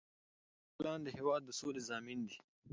پښتني اتلان د هیواد د سولې ضامن دي.